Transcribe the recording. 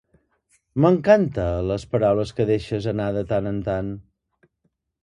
M'encanta les paraules que deixes anar de tant en tant.